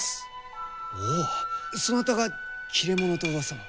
おおっそなたが切れ者とうわさの。